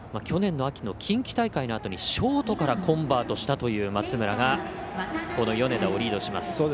去年の秋の近畿大会のあとにショートからコンバートしたという松村がこの米田をリードします。